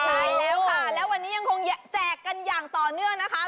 ใช่แล้วค่ะแล้ววันนี้ยังคงแจกกันอย่างต่อเนื่องนะคะ